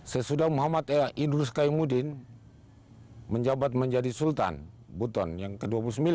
sesudah muhammad idrus kaymudin menjabat menjadi sultan buton yang ke dua puluh sembilan